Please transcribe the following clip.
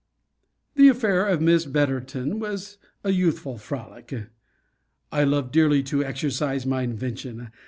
The affair of Miss Betterton was a youthful frolic. I love dearly to exercise my invention.